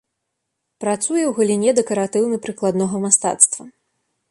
Працуе ў галіне дэкаратыўна-прыкладнога мастацтва.